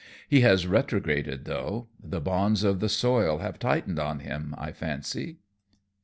He has retrograded, though. The bonds of the soil have tightened on him, I fancy."